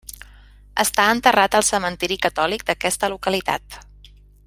Està enterrat al cementiri catòlic d'aquesta localitat.